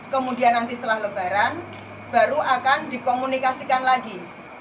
kemudian nanti setelah lebaran baru akan dikomunikasikan lagi